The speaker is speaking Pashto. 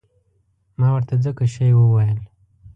ما ورته ځکه شی وویل.